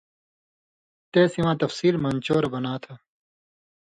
تے سِواں تفصیل مَن چور بناں تھہ۔